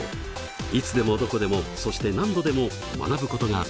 いつでもどこでもそして何度でも学ぶことができます。